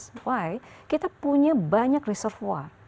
spy kita punya banyak reservoir